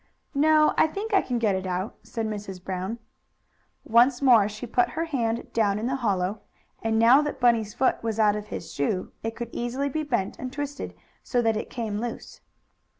"No, I think I can get it out," said Mrs. Brown. Once more she put her hand down in the hollow, and, now that Bunny's foot was out of his shoe, it could easily be bent and twisted, so that it came loose.